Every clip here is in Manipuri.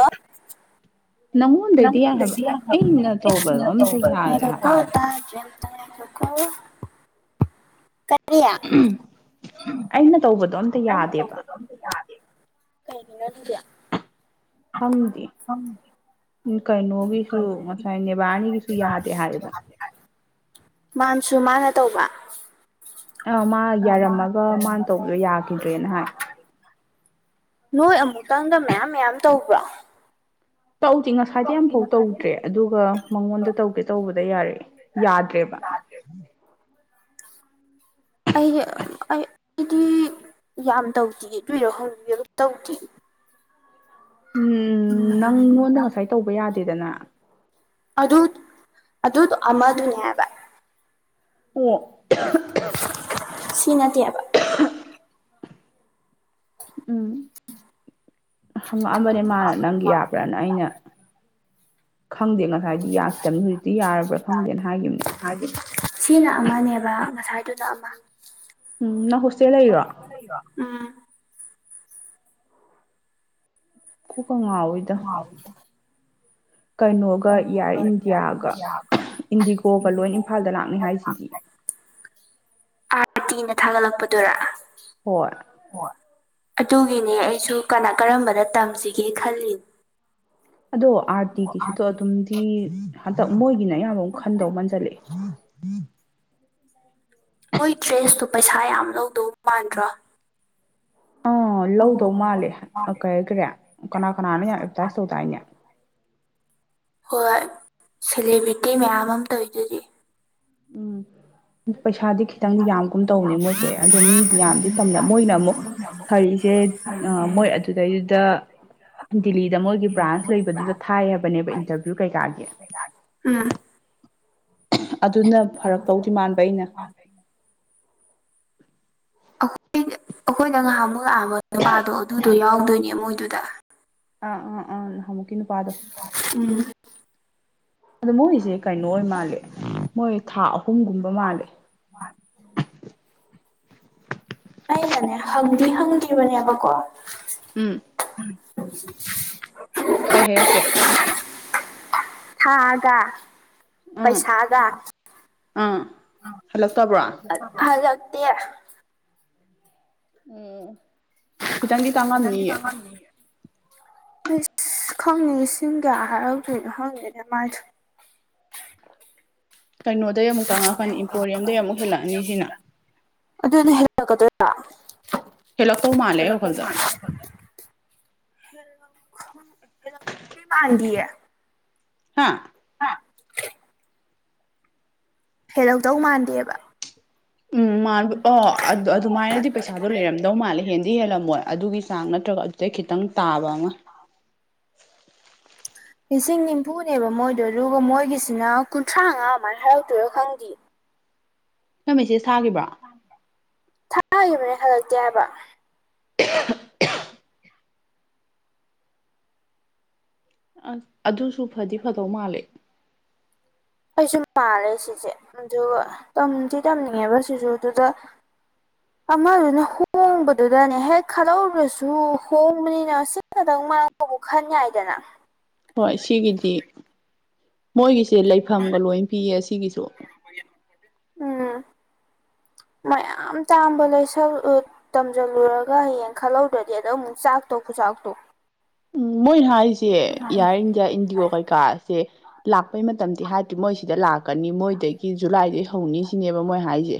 ꯑ ꯅꯪ ꯅꯪꯉꯣꯟꯗꯩꯗꯤ ꯌꯥꯏ ꯍꯥꯏꯕ ꯔꯦꯗꯤꯌꯥ ꯑꯩꯅ ꯇꯧꯕꯗꯣ ꯑꯝꯇ ꯌꯥꯗꯦ ꯍꯥꯏꯕ ꯇ ꯈꯣ ꯌꯥ ꯑꯩꯅ ꯇꯧꯕꯗꯣ ꯑꯝꯇ ꯑꯩꯅ ꯌꯥꯗꯦꯕ ꯇꯧꯕꯗꯣ ꯑꯝꯇ ꯌꯥꯔ ꯀꯩꯅꯩꯅꯒꯗ ꯍꯗꯤ ꯀꯩꯅꯣꯒꯤꯁꯨ ꯉꯁꯥꯏ ꯅꯦꯕꯥꯔꯥꯅꯤꯒꯤꯁꯨ ꯌꯥꯗꯦ ꯍꯥꯏꯌꯦꯕ ꯃꯥꯟꯁꯨ ꯃꯥꯅ ꯇꯧꯕ ꯑ ꯃꯥ ꯌꯥꯔꯝꯃꯒ ꯃꯥꯟ ꯇꯧꯕꯗꯣ ꯌꯥꯒ꯭ꯔꯤꯗ꯭ꯔꯦꯅ ꯍꯥꯏ ꯅꯣꯏ ꯑꯃꯨꯛꯇꯪꯗ ꯃꯌꯥꯝ ꯃꯌꯥꯝ ꯇꯧꯕ꯭ꯔꯣ ꯇꯧꯗꯦ ꯉꯁꯥꯏꯗꯩ ꯑꯝꯐꯥꯎ ꯇꯧꯗ꯭ꯔꯦ ꯑꯗꯨꯒ ꯃꯉꯣꯟꯗ ꯇꯧꯒꯦ ꯇꯧꯕꯗ ꯌꯥꯔꯛꯑꯦ ꯌꯥꯗ꯭ꯔꯦꯕ [inaudible] ꯑꯩꯒꯤ ꯑꯩ ꯑꯩꯗꯤ ꯌꯥꯝ ꯇꯧꯗꯤꯌꯦ ꯑꯗꯨꯏꯔ ꯈꯪꯗꯤꯌꯦ ꯀꯦꯝ ꯇꯧꯗꯤꯌꯦ ꯎꯝ ꯅꯪꯉꯣꯟꯗ ꯉꯁꯥꯏ ꯇꯧꯕ ꯌꯥꯗꯦꯗꯅ ꯑꯗꯨ ꯑꯗꯣ ꯑꯃꯗꯨꯅꯦꯕ ꯍꯥꯢꯕ ꯑꯣ ꯁꯤ ꯅꯠꯇꯦꯕ ꯎꯝ ꯍꯪꯉꯛꯑꯝꯕꯅꯦ ꯃꯥꯅ ꯅꯪꯒꯤ ꯌꯥꯕ꯭ꯔꯥꯅ ꯑꯩꯅ ꯈꯪꯗꯦ ꯉꯁꯥꯏꯗꯤ ꯌꯥꯈꯤꯗꯕꯅꯤ ꯍꯧꯖꯤꯛꯇꯤ ꯌꯥꯔꯕ꯭ꯔꯥ ꯈꯪꯗꯦꯅ ꯍꯥꯏꯈꯤꯕꯅꯦ [unintelligible] ꯁꯤꯅ ꯑꯃꯅꯦꯕ ꯉꯁꯥꯏꯗꯨꯅ ꯑꯃ ꯎꯝ ꯅꯪ ꯍꯣꯁꯇꯦꯜ ꯂꯩꯔꯤꯔꯣ ꯎꯝ ꯀꯣꯛ ꯀ ꯉꯥꯎꯋꯤꯗ ꯀꯩꯅꯣꯒ ꯏꯌꯥꯔ ꯏꯟꯗꯤꯌꯥꯒ ꯏꯟꯗꯤꯒꯣꯒ ꯂꯣꯏ ꯏꯝꯐꯥꯜꯗ ꯂꯥꯛꯅꯤ ꯍꯥꯏꯁꯤꯗꯤ ꯑꯥꯔ ꯇꯤꯅ ꯊꯥꯒꯠꯂꯛꯄꯗꯨꯔꯥ ꯍꯣꯏ ꯑꯗꯨꯒꯤꯅꯦ ꯑꯩꯁꯨ ꯀꯅꯥ ꯀꯔꯝꯕꯗ ꯇꯝꯁꯤꯒꯦ ꯈꯜꯂꯤꯅꯤ ꯑꯗꯣ ꯑꯥꯔ ꯇꯤꯒꯤꯁꯨꯗꯣ ꯑꯗꯨꯝꯗꯤ ꯍꯟꯇꯛ ꯃꯣꯏꯒꯤꯅ ꯑꯌꯥꯝꯕ ꯑꯃ ꯈꯟꯗꯧ ꯃꯟꯖꯜꯂꯛꯑꯦ [inaudible] ꯃꯣꯏ ꯗ꯭ꯔꯦꯁꯇꯨ ꯄꯩꯁꯥ ꯌꯥꯝ ꯂꯧꯗꯧ ꯃꯥꯟꯗ꯭ꯔꯣ ꯑꯥ ꯂꯧꯗꯧ ꯃꯥꯜꯂꯦ ꯑ ꯀꯔꯤ ꯍꯥꯏꯒ꯭ꯔꯦ ꯀꯅꯥ ꯀꯅꯥꯅꯣ ꯌꯥꯝ ꯑꯦꯗꯚꯔꯇꯥꯏꯁ ꯇꯧꯗꯥꯏꯅꯦ ꯍꯣꯏ ꯁꯦꯂꯦꯕ꯭ꯔꯤꯇꯤ ꯃꯌꯥꯝ ꯑꯃ ꯇꯧꯋꯤꯗꯨꯗꯤ ꯎꯝ ꯄꯩꯁꯥꯗꯤ ꯈꯤꯇꯪꯗꯤ ꯌꯥꯝꯒꯨꯝ ꯇꯧꯕꯅꯦ ꯃꯣꯏꯁꯦ ꯑꯗꯣ ꯃꯤꯗꯤ ꯌꯥꯝꯗꯤ ꯇꯝꯗ ꯃꯣꯏꯅ ꯑꯃꯨꯛ ꯐꯔꯤꯁꯦ ꯃꯣꯏ ꯑꯗꯨꯗꯩꯗꯨꯗ ꯗꯤꯜꯂꯤꯗ ꯃꯣꯏꯒꯤ ꯕ꯭ꯔꯥꯟꯁ ꯂꯩꯕꯗꯨꯗ ꯊꯥꯏ ꯍꯥꯏꯕꯅꯦꯕ ꯏꯟꯇꯔꯚꯤꯌꯨ ꯀꯩꯀꯥꯒꯤ ꯎꯝ ꯑꯗꯨꯅ ꯐꯔꯛꯇꯧꯗꯤ ꯃꯥꯟꯕ ꯑꯩꯅ ꯑꯈꯣꯏꯗ ꯑꯩꯈꯣꯏꯗ ꯉꯍꯥꯟꯃꯨꯛ ꯂꯥꯛꯑꯝꯕ ꯅꯨꯄꯥꯗꯣ ꯑꯗꯨꯗꯣ ꯌꯥꯎꯗꯣꯏꯅꯦ ꯃꯣꯏꯗꯨꯗ ꯑꯥ ꯑꯥ ꯑꯥ ꯅꯍꯥꯟꯃꯨꯛ ꯎꯝ ꯑꯗꯨ ꯃꯣꯏꯖꯦ ꯀꯩꯅꯣ ꯑꯣꯏ ꯃꯥꯜꯂꯦ ꯃꯣꯏ ꯊꯥ ꯑꯍꯨꯝꯒꯨꯝꯕ ꯃꯥꯜꯂꯦ ꯑꯩꯅꯅꯦ ꯍꯪꯗꯤ ꯍꯪꯒꯤꯕꯅꯦꯕꯀꯣ [inaudible] ꯎꯝ ꯀꯩ ꯍꯥꯏꯔꯛꯀꯦ ꯊꯥꯒ ꯎꯝ ꯄꯩꯁꯥꯒ ꯑꯥ ꯍꯜꯂꯛꯇꯕ꯭ꯔꯣ ꯍꯂꯛ ꯇꯦ ꯎꯝ ꯈꯤꯇꯪꯗꯤ ꯇꯥꯡꯉꯝꯅꯤꯌꯦ ꯑꯁ ꯈꯪ ꯂꯤꯁꯤꯡ ꯀꯌꯥ ꯍꯥꯏꯔꯛꯇꯣꯏꯅꯣ ꯈꯪꯗꯦꯗ ꯃꯥꯏꯗꯣ [inaudible] ꯀꯩꯅꯣꯗꯩ ꯑꯃꯨꯛ ꯇꯥꯡꯉꯛꯀꯅꯤ ꯏꯝꯄꯣꯔꯤꯌꯝꯗꯩ ꯑꯃꯨꯛ ꯍꯦꯜꯂꯛꯑꯅꯤ ꯁꯤꯅ ꯍꯦꯜꯂꯛꯀꯗꯣꯢꯔꯣ ꯍꯦꯜꯂꯛꯇꯧ ꯃꯥꯜꯂꯦ ꯑꯩ ꯍꯦꯜꯂꯒꯇꯧ ꯋꯥꯈꯜꯗ ꯃꯥꯜꯂꯦ [unintelligible] ꯃꯥꯟꯗꯤꯌꯦ ꯍꯥ ꯍꯦꯜꯂꯛꯗꯧ ꯃꯥꯟꯗꯦꯕ ꯎꯝ ꯃꯥꯟꯕ ꯑꯣ ꯑꯗ ꯑꯗꯨꯃꯥꯏꯅꯗꯤ ꯄꯩꯁꯥꯗꯣ ꯂꯩꯔꯝꯗꯧ ꯃꯥꯜꯂꯦ ꯍꯦꯟ ꯗꯤ ꯍꯦꯜꯂꯝꯃꯣꯏ ꯑꯗꯨꯒꯤ ꯆꯥꯡ ꯅꯠꯇ꯭ꯔꯒ ꯑꯗꯨꯗꯩ ꯈꯤꯇꯪ ꯇꯥꯕ ꯑꯃ ꯑꯟꯑꯣꯗꯤꯕꯜ ꯂꯤꯁꯤꯡ ꯅꯤꯝꯐꯨꯅꯦꯕ ꯃꯣꯏꯗꯣ ꯑꯗꯨꯒ ꯃꯣꯏꯒꯤꯁꯤꯅ ꯀꯨꯟꯊ꯭ꯔꯥꯉꯥ ꯑꯗꯨꯃꯥꯏꯅ ꯍꯥꯏꯔꯛꯇꯣꯏꯔꯥ ꯈꯪꯗꯦ ꯅꯪ ꯃꯦꯁꯦꯁ ꯊꯥꯒꯤꯕ꯭ꯔꯣ ꯊꯥꯒꯤꯕꯅꯦ ꯍꯜꯂꯛꯇꯦ ꯍꯥꯏꯕ ꯑꯁ ꯑꯗꯨꯁꯨ ꯐꯗꯤ ꯐꯗꯧ ꯃꯥꯜꯂꯦ ꯑꯩꯁꯨ ꯃꯥꯜꯂꯦ ꯁꯤꯁꯦ ꯑꯗꯨꯒ ꯇꯝꯗꯤ ꯇꯝꯅꯤꯡꯉꯦꯕ ꯁꯤꯁꯨ ꯑꯗꯨꯗ ꯑꯃꯥꯗꯨꯅ ꯍꯣꯡ ꯍꯣꯡꯕꯗꯨꯗꯅꯦ ꯍꯦꯛ ꯈꯜꯍꯧꯗꯁꯨ ꯍꯣꯡꯕꯅꯤꯅ ꯁꯤ ꯈꯇꯪ ꯃꯔꯕꯨ ꯈꯟ ꯌꯥꯏꯗꯅ ꯍꯣꯏ ꯁꯤꯒꯤꯗꯤ ꯃꯣꯏꯒꯤꯁꯦ ꯂꯩꯐꯝꯒ ꯂꯣꯏꯅ ꯄꯤꯌꯦ ꯑꯁꯤꯒꯤꯁꯨ ꯎꯝ ꯃꯌꯥꯝ ꯇꯥꯡꯕ ꯂꯩꯁꯜ ꯑ ꯇꯝꯖꯜꯂꯨꯔꯒ ꯍꯌꯦꯡ ꯈꯜꯍꯧꯗ꯭ꯔꯗꯤ ꯑꯗ ꯑꯃꯨꯛ ꯆꯥꯛꯇꯧ ꯈꯨꯆꯥꯛꯇꯣ ꯑꯟꯑꯣꯗꯤꯕꯜ ꯃꯣꯏꯟ ꯍꯥꯏꯁꯦ ꯏꯌꯥꯔ ꯏꯟꯗꯤꯌꯥ ꯏꯟꯗꯤꯌꯣ ꯀꯩꯀꯥꯁꯦ ꯂꯥꯛ ꯄꯩ ꯃꯇꯝꯗꯤ ꯍꯥꯏꯗ꯭ꯔꯤ ꯃꯣꯏ ꯁꯤꯗ ꯂꯥꯛꯀꯅꯤ ꯃꯣꯏꯗꯒꯤ ꯖꯨꯂꯥꯏꯗꯩ ꯍꯧꯅꯤ ꯁꯤꯅꯦꯕ ꯃꯣꯏ ꯍꯥꯏꯖꯤ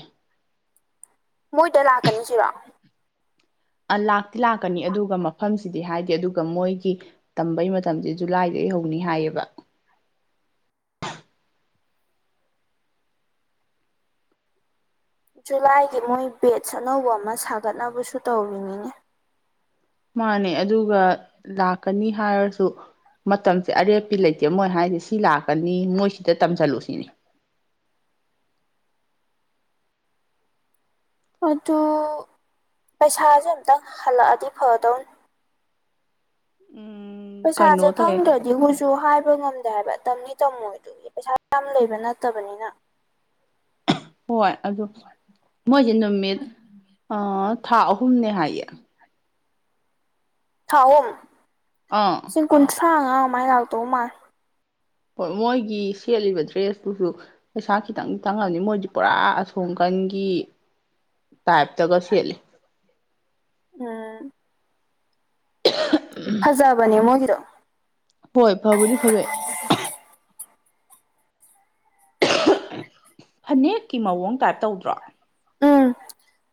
ꯃꯣꯏꯗ ꯂꯥꯛꯀꯅꯤꯖꯤꯔꯣ ꯑ ꯂꯥꯛꯇꯤ ꯂꯥꯛꯀꯅꯤ ꯑꯗꯨꯒ ꯃꯐꯝꯁꯤꯗꯤ ꯍꯥꯏꯗ ꯗꯦ ꯑꯗꯨꯒ ꯃꯣꯏꯒꯤ ꯇꯝꯕꯩ ꯃꯇꯝꯁꯦ ꯖꯨꯂꯥꯏꯗꯒꯤ ꯍꯧꯅꯤ ꯍꯥꯏꯌꯦꯕ ꯖꯨꯂꯥꯏꯗꯤ ꯃꯣꯏ ꯕꯦꯠꯁ ꯑꯅꯧꯕ ꯑꯃ ꯁꯥꯒꯠꯅꯕꯁꯨ ꯇꯧꯔꯤꯅꯤꯅꯦ ꯃꯥꯅꯦ ꯑꯗꯨꯒ ꯂꯥꯛꯀꯅꯤ ꯍꯥꯏꯔꯁꯨ ꯃꯇꯝꯁꯦ ꯑꯔꯦꯞꯄꯤ ꯂꯩꯇꯦ ꯃꯣꯏ ꯍꯥꯏꯁꯦ ꯁꯤ ꯂꯥꯛꯀꯅꯤ ꯃꯣꯏꯁꯤꯗ ꯇꯝꯁꯤꯜꯂꯨ ꯁꯤꯅꯤ ꯑꯟꯑꯣꯗꯤꯕꯜ ꯑꯗꯨ ꯄꯩꯁꯥꯁꯦ ꯑꯝꯇꯪ ꯍꯜꯂꯛꯑꯗꯤ ꯐꯗꯧꯅꯤ ꯎꯝ ꯄꯩꯁꯥꯁꯦ ꯀꯩꯅꯣ ꯇꯧꯋꯦ ꯈꯪꯗ꯭ꯔꯗꯤ ꯍꯨꯏꯁꯨ ꯍꯥꯏꯕ ꯉꯝꯗꯦ ꯍꯥꯏꯕꯝ ꯇꯝꯃꯣꯏ ꯑꯗꯨꯒꯤ ꯄꯩꯁꯥ ꯌꯥꯝ ꯂꯩꯕ ꯅꯠꯇꯕꯅꯤꯅ ꯍꯣꯏ ꯑꯗꯨ ꯃꯣꯏꯁꯦ ꯅꯨꯃꯤꯠ ꯑ ꯊꯥ ꯑꯍꯨꯝꯅꯦ ꯍꯥꯏꯌꯦ ꯊꯥ ꯑꯍꯨꯝ ꯑꯥ ꯇ꯭ꯔꯥꯉꯥ ꯃꯥꯏ ꯂꯥꯛꯇꯧ ꯃꯥꯥꯜꯂꯦ ꯍꯣꯏ ꯃꯣꯏꯒꯤ ꯁꯦꯠꯂꯤꯕ ꯗ꯭ꯔꯦꯁꯇꯨꯁꯨ ꯄꯩꯁꯥ ꯈꯤꯇꯪ ꯇꯥꯡꯉꯝꯅꯤ ꯃꯣꯏꯗꯤ ꯄꯨꯔꯥ ꯑꯁꯣꯝ ꯀ ꯅꯪꯒꯤ ꯇꯥꯏꯞꯇꯒ ꯁꯦꯠꯂꯤ ꯎꯝ ꯑꯍ ꯐꯖꯕꯅꯦ ꯃꯣꯏꯒꯤꯗꯣ ꯍꯣꯏ ꯐꯕꯨꯗꯤ ꯐꯖꯩ ꯐꯅꯦꯛꯀꯤ ꯃꯑꯣꯡ ꯇꯥꯏꯞ ꯇꯧꯗ꯭ꯔꯣ ꯎꯝ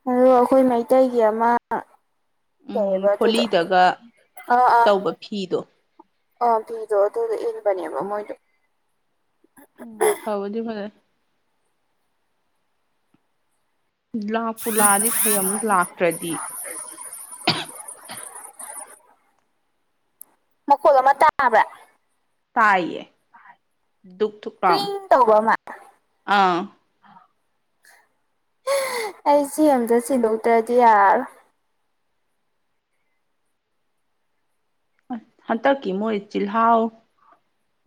ꯑ ꯑꯩꯈꯣꯏ ꯃꯩꯇꯩꯒꯤ ꯑꯃ ꯎꯝ ꯀꯩꯌꯦꯕ ꯑꯗꯨꯗꯣ ꯍꯣꯂꯤꯗꯒ ꯑꯥ ꯑ ꯇꯧꯕ ꯐꯤꯗꯣ ꯑꯥ ꯐꯤꯗꯣ ꯑꯗꯨꯗ ꯏꯟꯕꯅꯦꯕ ꯃꯣꯏꯗꯣ ꯎꯝ ꯐꯕꯗꯤ ꯐꯖꯩ ꯂꯥꯛꯄꯨ ꯂꯥꯛꯑꯗꯤ ꯐꯩ ꯑꯃꯨꯛ ꯂꯥꯛꯇ꯭ꯔꯗꯤ ꯃꯈꯣꯜ ꯑꯃ ꯇꯥꯕ꯭ꯔꯥ ꯇꯥꯏꯌꯦ ꯗꯨꯛ ꯊꯨꯛ ꯄꯝ ꯀ꯭ꯔꯤꯡ ꯇꯧꯕ ꯑꯃ ꯑ ꯑꯩ ꯁꯤ ꯑꯝꯇ ꯁꯤꯟꯗꯣꯛꯇ꯭ꯔꯗꯤ ꯌꯥꯔꯔꯣꯏ ꯍꯟꯇꯛꯀꯤ ꯃꯣꯏ ꯆꯤꯜꯍꯥꯥꯎ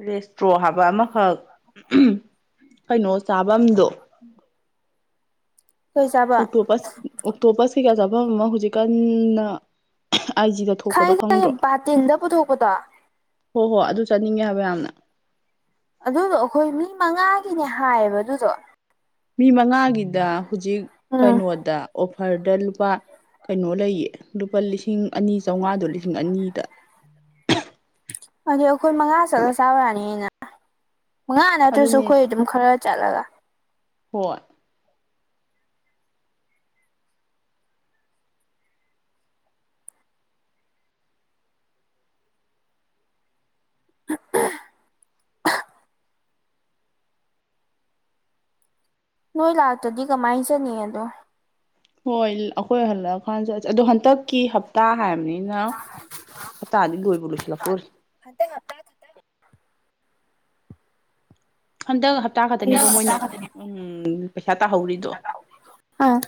ꯔꯦꯁꯇ꯭ꯔꯣ ꯍꯥꯏꯕ ꯑꯃꯈꯛ ꯀꯩꯅꯣ ꯆꯥꯕꯝꯗꯣ ꯀꯩ ꯆꯥꯕ ꯑꯣꯛꯇꯣꯄꯁ ꯑꯣꯛꯇꯣꯄꯁ ꯀꯩ ꯀꯥ ꯆꯥꯐꯝ ꯑꯃ ꯍꯧꯖꯤꯛꯀꯥꯟ ꯑꯥꯏ ꯖꯤꯗ ꯊꯣꯛꯄꯗꯣ ꯈꯪꯉꯦ ꯈꯪꯉꯦ ꯈꯪꯗ꯭ꯔꯣ ꯕꯥꯇꯤꯟꯗ ꯄꯨꯊꯣꯛꯄꯗꯣ ꯍꯣꯏ ꯍꯣ ꯑꯗꯨ ꯆꯠꯅꯤꯡꯉꯦ ꯍꯥꯏꯕ ꯌꯥꯝꯅ ꯑꯗꯨꯗꯣ ꯑꯩꯈꯣꯏ ꯃꯤ ꯃꯉꯥꯒꯤꯅꯦ ꯍꯥꯏꯌꯦꯕ ꯑꯗꯨꯗꯣ ꯃꯤ ꯃꯉꯥꯒꯤꯗ ꯍꯧꯖꯤꯛ ꯎꯝ ꯀꯩꯅꯣꯗ ꯐꯔꯗ ꯂꯨꯄꯥ ꯀꯩꯅꯣ ꯂꯩꯌꯦ ꯂꯨꯄꯥ ꯂꯤꯁꯤꯡ ꯑꯅꯤ ꯆꯥꯝꯃꯉꯥꯗꯣ ꯂꯤꯁꯤꯡ ꯑꯅꯤꯗ ꯑꯗꯨ ꯑꯩꯈꯣꯏ ꯃꯉꯥ ꯆꯠꯂ ꯆꯥꯔꯛꯅꯤꯅ ꯃꯉꯥ ꯅꯠꯇ꯭ꯔꯁꯨ ꯑꯗꯨꯅꯦ ꯑꯩꯈꯣꯏ ꯏꯆꯦ ꯑꯗꯨꯝ ꯈꯔ ꯆꯠꯂꯒ ꯍꯣꯏ ꯅꯣꯏ ꯂꯥꯛꯇꯗꯤ ꯀꯃꯥꯏꯅ ꯆꯅꯤ ꯑꯗꯣ ꯍꯣꯏ ꯑꯩꯈꯣꯏ ꯍꯜꯂꯛꯑꯀꯥꯟꯗꯠꯁꯦ ꯑꯗꯣ ꯍꯟꯗꯛꯀꯤ ꯍꯞꯇꯥ ꯍꯥꯏꯕꯅꯤꯅ ꯍꯞꯇꯥꯗꯤ ꯂꯣꯏꯕ ꯂꯣꯏꯁꯤ ꯂꯇꯣꯛꯔꯤ ꯍꯟꯗꯛ ꯍꯞꯇꯥ ꯈꯛꯇꯪ ꯍꯟꯗꯛ ꯍꯞꯇꯥ ꯍꯟꯗꯛ ꯈꯛꯇꯅꯦꯕ ꯍꯞꯇꯥ ꯃꯣꯏꯅꯣ ꯈꯛꯇꯅꯦ ꯎꯝ ꯈꯦꯠꯇ ꯍꯧꯔꯤꯗꯨꯣ ꯑꯥ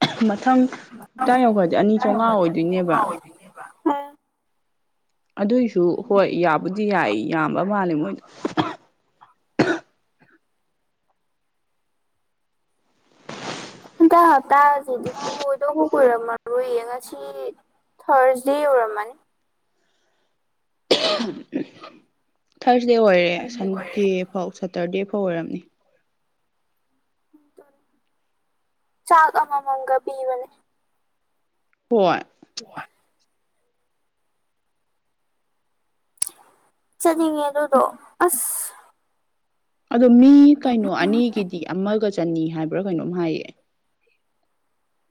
[unintelligible] ꯍꯞꯇꯥ ꯌꯧꯈ꯭ꯔꯗꯤ ꯑꯅꯤ ꯆꯥꯝꯃꯉꯥ [inaudible] ꯑꯣꯏꯗꯣꯏꯅꯦꯕ [unintelligible] [inaudible] ꯑꯗꯨꯏꯁꯨ ꯍꯣꯏ ꯌꯥꯕꯨꯗꯤ ꯌꯥꯏ ꯌꯥꯝꯕ ꯃꯥꯜꯂꯦ ꯃꯣꯏꯗ ꯍꯟꯇꯥ ꯍꯞꯇꯥꯁꯤꯗꯤꯂꯣꯏꯗꯧ ꯀꯣꯏꯔꯝꯃꯔꯣꯏꯌꯦ ꯉꯁꯤ ꯊꯔꯖꯤ ꯎꯔꯃꯟ [unintelligible] [inaudible] ꯊꯥꯔꯁꯗꯦ ꯑꯣꯏꯔꯦ ꯁꯟꯗꯦ ꯐꯥꯎ ꯁꯇꯔꯗꯦ ꯐꯥꯎ ꯑꯣꯏꯔꯝꯅꯤ ꯆꯥ ꯀꯃ ꯃꯒ ꯄꯤꯕꯅꯦ ꯍꯣꯏ ꯆꯠꯅꯤꯡꯉꯦ ꯑꯗꯨꯗꯣ ꯑꯁ ꯑꯗꯣ ꯃꯤ ꯀꯩꯅꯣ ꯑꯅꯤꯒꯤꯗꯤ ꯑꯃꯒ ꯆꯅꯤ ꯍꯥꯏꯕ꯭ꯔꯥ ꯀꯩꯅꯣꯝ ꯍꯥꯏꯌꯦ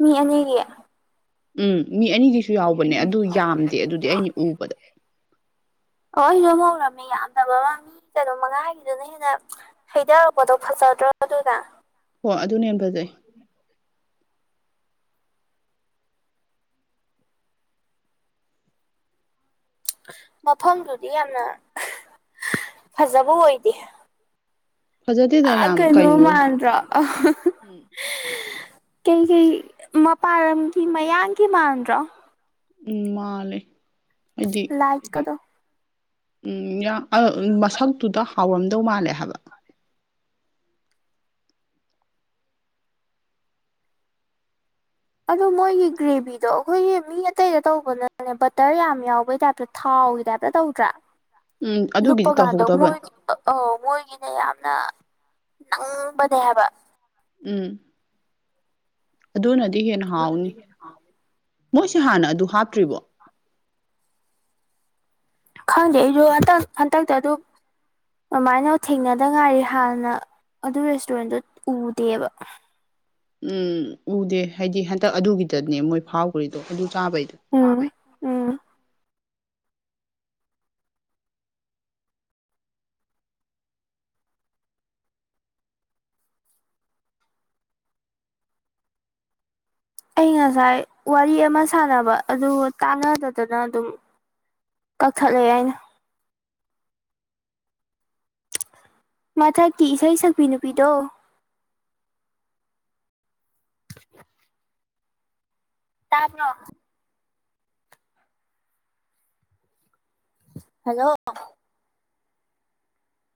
ꯃꯤ ꯑꯅꯤꯔꯤ ꯎꯝ ꯃꯤ ꯑꯅꯤꯒꯤꯁꯨ ꯌꯥꯎꯕꯅꯦ ꯑꯗꯨ ꯌꯥꯝꯗꯦ ꯑꯗꯨꯗꯤ ꯑꯩꯅ ꯎꯕꯗ ꯑꯣ ꯍꯔꯃꯣꯔ ꯌꯥꯝꯗꯕ ꯑꯃ ꯃꯤ ꯀꯩꯅꯣ ꯃꯉꯥꯒꯤꯗꯨꯅ ꯍꯦꯟꯅ ꯍꯩꯊꯔꯛꯄꯗꯣ ꯐꯖꯗ꯭ꯔꯣ ꯑꯗꯨꯅ ꯍꯣ ꯑꯗꯨꯅ ꯌꯥꯝ ꯐꯖꯩ ꯃꯐꯝꯗꯨꯗꯤ ꯌꯥꯝꯅ ꯐꯖꯕ ꯑꯣꯏꯗꯦ ꯐꯖꯗꯦꯗ ꯑ ꯌꯥꯝ ꯀꯩꯅꯣ ꯀꯩꯅꯣꯒꯤ ꯃꯥꯟ꯭ꯔꯣ ꯎꯝ ꯀꯩ ꯀꯩ ꯃꯄꯥꯟ ꯂꯝꯒꯤ ꯃꯌꯥꯝꯒꯤ ꯃꯥꯟꯗ꯭ꯔꯣ ꯎꯝ ꯃꯥ ꯂꯩꯦ ꯂꯥꯏꯚ ꯀꯗ ꯎꯝ ꯃꯁꯛꯇꯨꯗ ꯍꯥꯎꯔꯝꯗꯧ ꯃꯥꯜꯂꯦ ꯍꯥꯏꯕ ꯑꯗꯣ ꯃꯣꯏꯒꯤ ꯒ꯭ꯔꯦꯚꯤꯗꯣ ꯑꯩꯈꯣꯏꯒꯤ ꯃꯤ ꯑꯇꯩꯗ ꯇꯧꯕꯅꯅꯦ ꯕꯇꯔ ꯌꯥꯝ ꯌꯥꯎꯕꯩ ꯇꯥꯏꯞꯇ ꯊꯥꯎ ꯇꯧꯗ꯭ꯔꯥ ꯎꯝ ꯂꯨꯞꯄ ꯑꯗꯨꯒꯤꯗꯤ ꯀꯥꯟꯗꯣꯏ ꯇꯧꯍꯧꯗꯕꯅꯤ ꯑꯩꯅ ꯌꯥꯝꯅ ꯅꯪꯕꯅꯦ ꯍꯥꯏꯕ ꯎꯝ ꯑꯗꯨꯅꯗꯤ ꯍꯦꯟꯅ ꯍꯥꯎꯅꯤ ꯃꯣꯏꯁꯦ ꯍꯥꯟꯅ ꯑꯗꯨ ꯍꯥꯞꯇ꯭ꯔꯤꯕꯣ ꯈꯪꯗꯦ ꯑꯩꯁꯨ ꯍꯟꯇꯛ ꯍꯟꯇꯛꯇ ꯑꯗꯨ ꯑꯗꯨꯃꯥꯏꯅ ꯊꯦꯡꯅꯗ ꯉꯥꯏꯔꯤ ꯍꯥꯟꯅ ꯑꯗꯨ ꯔꯦꯁꯇꯨꯔꯦꯟꯗꯨ ꯎꯗꯦꯕ ꯎꯝ ꯎꯗꯦ ꯍꯥꯏꯗꯤ ꯍꯟꯗꯛ ꯑꯗꯨꯒꯤꯗꯅꯦ ꯃꯣꯏ ꯐꯥꯎꯈ꯭ꯔꯤꯗꯣ ꯑꯗꯨ ꯆꯥꯕꯩꯗꯣ ꯎꯝ ꯎꯝ ꯑꯩ ꯉꯁꯥꯏ ꯋꯥꯔꯤ ꯑꯃ ꯁꯥꯟꯅꯕ ꯑꯗꯨ ꯇꯥꯟꯅꯗꯗꯅ ꯑꯗꯨꯝ ꯀꯛꯊꯠꯂꯛꯑꯦ ꯑꯩꯅ ꯃꯊꯛꯀꯤ ꯏꯁꯩ ꯁꯛꯄꯤ ꯅꯨꯄꯤꯗꯣ ꯇꯥꯕ ꯍꯂꯣ